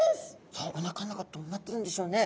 さあおなかの中どうなってるんでしょうね。